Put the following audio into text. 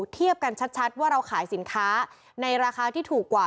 เทียบกันชัดว่าเราขายสินค้าในราคาที่ถูกกว่า